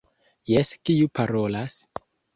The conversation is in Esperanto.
Jes, kiu parolas?